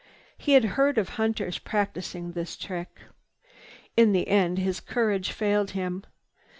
He had heard of hunters practicing this trick. In the end his courage failed him.